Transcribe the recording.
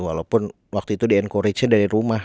walaupun waktu itu di encourage nya dari rumah